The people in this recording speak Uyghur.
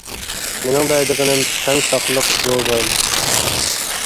مېنىڭ دەيدىغىنىم، تەن ساقلىق زور بايلىق.